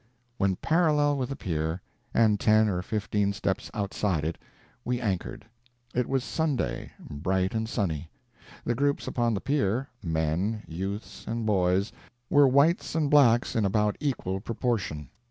When parallel with the pier, and ten or fifteen steps outside it, we anchored. It was Sunday, bright and sunny. The groups upon the pier men, youths, and boys were whites and blacks in about equal proportion.